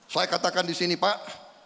saya katakan di sini pak